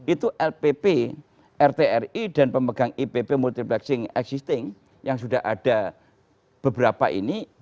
itu lpp rtri dan pemegang ipp multiplexing existing yang sudah ada beberapa ini